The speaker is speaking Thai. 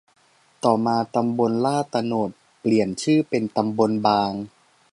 ต่อมา ตำบลลาดโตนดเปลี่ยนชื่อเป็น ตำบลบาง